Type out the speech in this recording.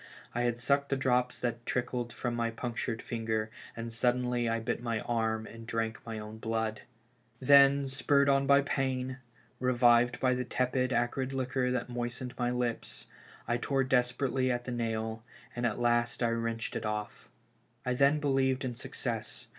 I had sucked the drops that trickled from my punctured finger, and suddenly I bit my arm and drank my own blood ! Then spurred on by pain, revived by the tepid, acrid liquor that moistened my lips, I tore desperately at the nail, and at last I wrenched it off I I then believed in success.